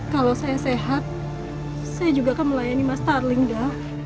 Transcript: kalau saya sehat saya juga akan melayani mas starling dah